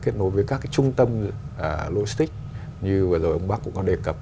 kết nối với các cái trung tâm logistics như vừa rồi ông bác cũng có đề cập